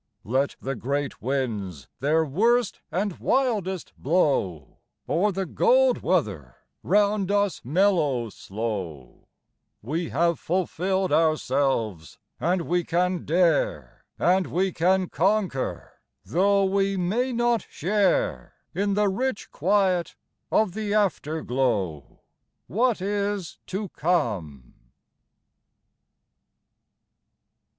Let the great winds their worst and wildest blow, Or the gold weather round us mellow slow: We have fulfilled ourselves, and we can dare And we can conquer, though we may not share In the rich quiet of the afterglow What is to come.